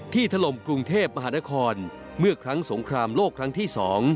ถล่มกรุงเทพมหานครเมื่อครั้งสงครามโลกครั้งที่๒